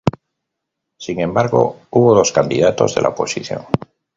Sin embargo, hubo dos candidatos de la oposición.